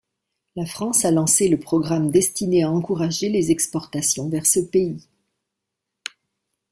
La France a lancé le programme destiné à encourager les exportations vers ce pays.